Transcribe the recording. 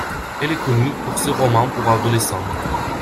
Elle est connue pour ses romans pour adolescents.